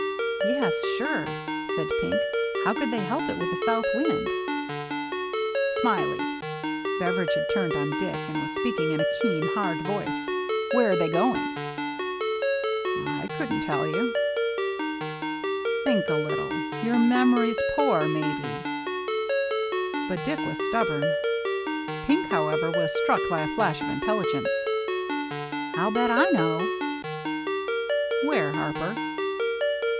"Yes, sure," said Pink; "how could they help it with a south wind ?"" Smiley," — Beveridge had turned on Dick, and was speaking in a keen, hard voice, — "where are they going?" " I couldn't tell you." "Think a little. Your memory's poor, maybe." But Dick was stubborn. Pink, however, was struck by a flash of intelligence. " I'll bet I know." "Where, Harper?"